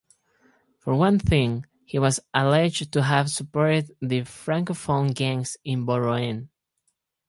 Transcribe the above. For one thing, he was alleged to have supported the Francophone gangs in Voeren.